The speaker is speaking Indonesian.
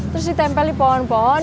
terus ditempel di pohon pohon